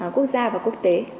quốc gia và quốc tế